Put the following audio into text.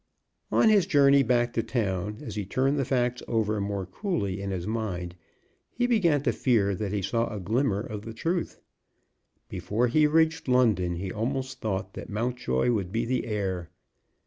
On his journey back to town, as he turned the facts over more coolly in his mind, he began to fear that he saw a glimmer of the truth. Before he reached London he almost thought that Mountjoy would be the heir.